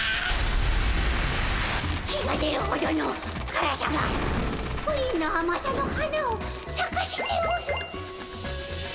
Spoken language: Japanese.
火が出るほどのからさがプリンのあまさの花をさかせておる。